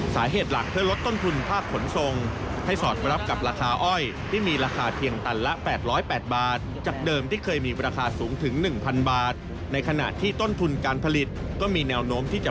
สาเหตุหลักเพื่อลดต้นทุนภาคขนทรง